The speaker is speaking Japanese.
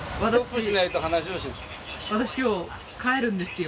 私今日帰るんですよ。